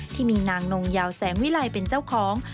ที่มีนางนงยาวแสงวิลัยเป็นเจ้าของ